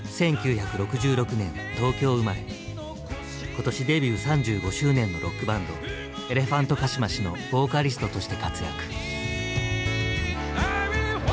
今年デビュー３５周年のロックバンドエレファントカシマシのボーカリストとして活躍。